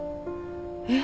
えっ？